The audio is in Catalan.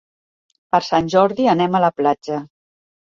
Per Sant Jordi anem a la platja.